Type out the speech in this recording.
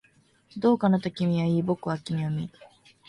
どうかな、と君は言い、僕は君を見る